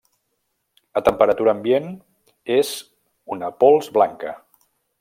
A temperatura ambient és una pols blanca.